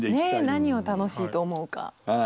ねっ何を楽しいと思うか。